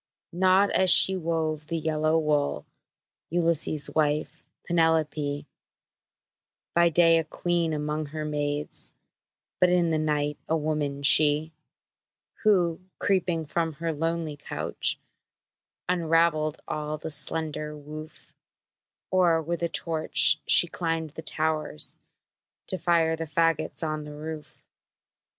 Not as she wove the yellow wool, Ulysses' wife, Penelope; By day a queen among her maids, But in the night a woman, she, Who, creeping from her lonely couch, Unraveled all the slender woof; Or, with a torch, she climbed the towers, To fire the fagots on the roof!